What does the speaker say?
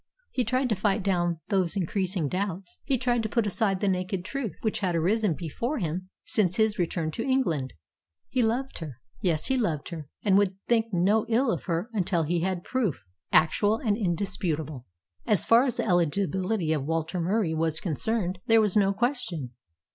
He tried to fight down those increasing doubts. He tried to put aside the naked truth which had arisen before him since his return to England. He loved her. Yes, he loved her, and would think no ill of her until he had proof, actual and indisputable. As far as the eligibility of Walter Murie was concerned there was no question.